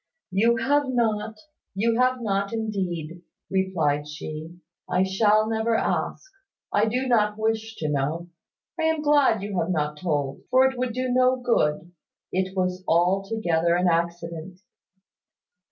"You have not, you have not indeed," replied she. "I shall never ask. I do not wish to know. I am glad you have not told; for it would do no good. It was altogether an accident."